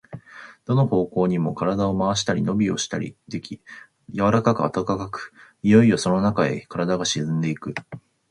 どの方向にも身体を廻したり、のびをしたりでき、柔かく暖かく、いよいよそのなかへ身体が沈んでいく。